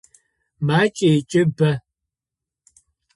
Макӏэ ыкӏи бэ.